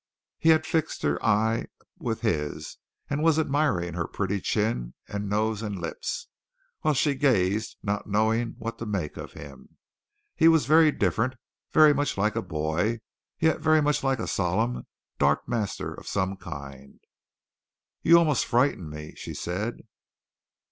He had fixed her eye with his and was admiring her pretty chin and nose and lips, while she gazed not knowing what to make of him. He was very different; very much like a boy, and yet very much like a solemn, dark master of some kind. "You almost frighten me," she said.